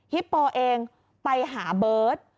ฮิปโปเองไปหาเบิร์ต